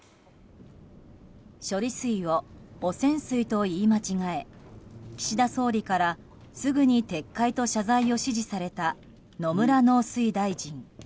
処理水を汚染水と言い間違え岸田総理からすぐに撤回と謝罪を指示された野村農水大臣。